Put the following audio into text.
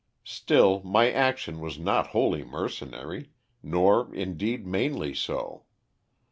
Still my action was not wholly mercenary, nor indeed mainly so.